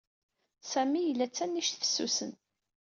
Sami yella d tanict fessusen.